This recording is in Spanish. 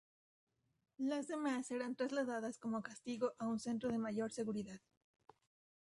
Las demás serán trasladadas como castigo a un centro de mayor seguridad.